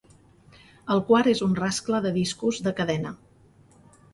El quart és un rascle de discos de cadena.